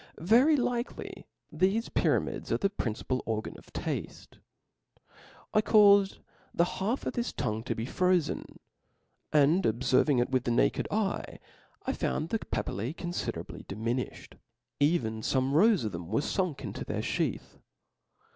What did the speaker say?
Very likely thefe pyramids are the principal organ of tafte. I caufed the half of this tongue to be frozen, and obferving it with the naked eye I found the papilte confiderably diminifhed : even fome rows of them were funk into their fheath.